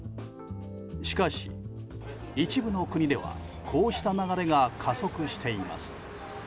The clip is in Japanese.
しかし、一部の国ではこうした流れが加速しています。